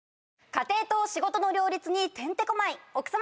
家庭と仕事の両立にてんてこ舞い奥様